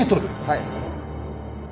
はい。